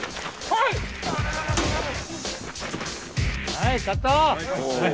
はいカット！